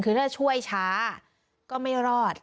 คือถ้าช่วยช้าก็ไม่รอด